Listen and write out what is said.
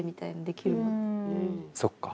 そっか。